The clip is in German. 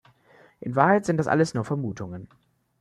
In Wahrheit sind das alles nur Vermutungen.